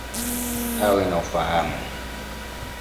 Awe na ufahamu.